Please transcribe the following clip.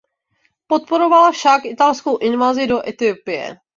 Podporoval však italskou invazi do Etiopie.